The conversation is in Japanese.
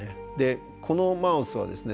このマウスはですね